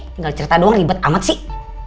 tinggal cerita doang ribet amat sih